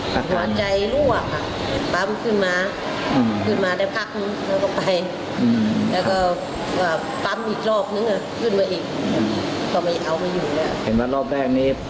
ขนาดใจร่วงค่ะปั๊มขึ้นมาได้พักแล้วก็ไป